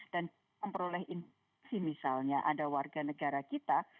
dan memperoleh informasi misalnya ada warga negara kita